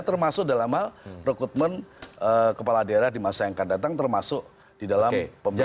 termasuk dalam hal rekrutmen kepala daerah di masa yang akan datang termasuk di dalam pemerintahan